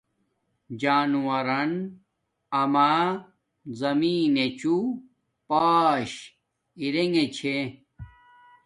جانورون اما زمین نچو پاش ارنگے چھے